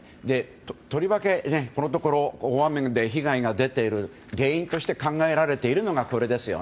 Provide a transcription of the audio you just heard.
とりわけ、このところ大雨で被害が出ている原因として考えられているのがこれです。